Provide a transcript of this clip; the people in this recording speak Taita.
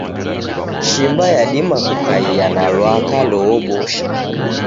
Shimba yadima kukaia na lwaka loobosha